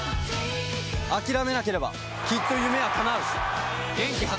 諦めなければきっと夢は叶う！